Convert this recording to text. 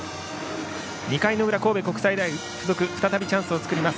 ２回の裏、神戸国際大付属再びチャンスを作ります。